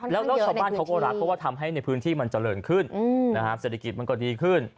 แล้วชาวบ้านเขาก็รักเพราะว่าทำให้ในพื้นที่มันเจริญขึ้นเศรษฐกิจมันก็ดีขึ้น